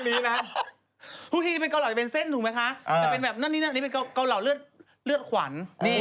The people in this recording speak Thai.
นี่ไม่ใช่เกาเหลือเลือดหูเป็นเกาเหลือเลือดขวัญ